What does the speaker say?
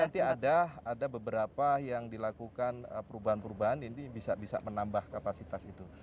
nanti ada beberapa yang dilakukan perubahan perubahan ini bisa menambah kapasitas itu